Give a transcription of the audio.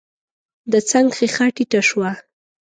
د څنګ ښېښه ټيټه شوه.